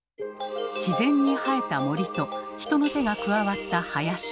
自然に生えた「森」と人の手が加わった「林」。